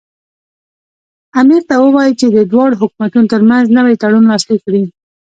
امیر ته ووایي چې د دواړو حکومتونو ترمنځ نوی تړون لاسلیک کړي.